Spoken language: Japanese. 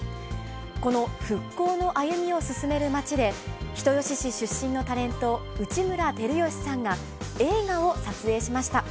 この復興の歩みを進める街で、人吉市出身のタレント、内村光良さんが映画を撮影しました。